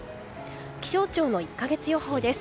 気象庁の１か月予報です。